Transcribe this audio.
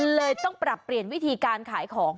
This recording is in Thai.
เลยต้องปรับเปลี่ยนวิธีการขายของ